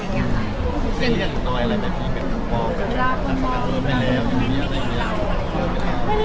พี่เรียนตัวอะไรในที่เป็นผู้ป้องกัน